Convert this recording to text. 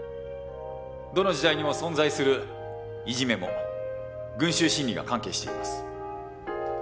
どの時代にも存在するいじめも群集心理が関係しています。